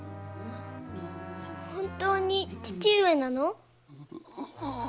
本当に父上なの？